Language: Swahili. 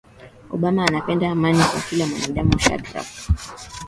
obama anapenda amani kwa kila mwanadamu shadrack